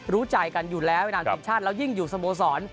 รู้ใจกันอยู่แล้วเวลาทีมชาติแล้วยิ่งอยู่สโมสร